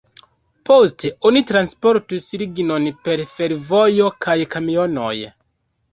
Poste oni transportis lignon per fervojo kaj kamionoj.